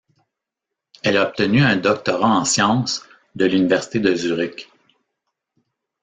Elle a obtenu un doctorat en sciences de l'université de Zurich.